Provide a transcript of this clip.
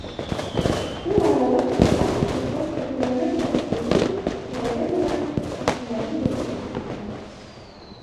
Шул арала ас ҡош-ҡорт күтәрмәгә менеп-төшөп, тиҙәге менән таҡталарҙы бысратып бөткән.